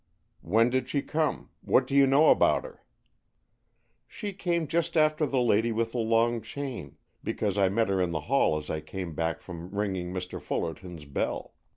"When did she come? What do you know about her?" "She came just after the lady with the long chain, because I met her in the hall as I came back from ringing Mr. Fullerton's bell.